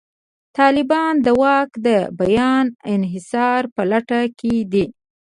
طالبان د واک د بیا انحصار په لټه کې دي.